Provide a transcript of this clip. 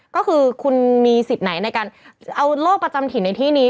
ก็คือคุณมีสิทธิ์ไหนในการเอาโรคประจำถิ่นในที่นี้